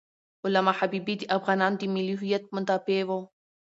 علامه حبیبي د افغانانو د ملي هویت مدافع و.